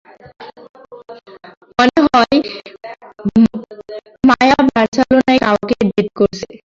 মনে হয় মায়া বার্সেলোনায় কাউকে ডেট করছে।